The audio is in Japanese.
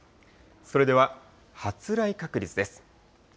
それでは発雷確率です。